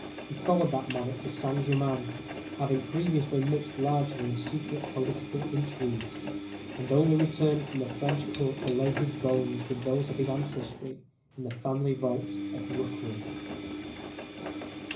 he followed that monarch to Saint Germain, having previously mixed largely in secret political intrigues; and only returned from the French court to lay his bones with those of his ancestry, in the family vault at Rookwood.